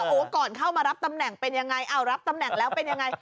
โอ้โหก่อนเข้ามารับตำแหน่งเป็นยังไงอ้าวรับตำแหน่งแล้วเป็นยังไง